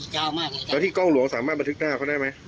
ยาวมากแล้วที่กล้องหลวงสามารถบันทึกหน้าเขาได้ไหม